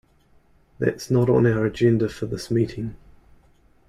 That's not on our agenda for this meeting.